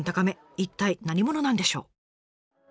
一体何者なんでしょう？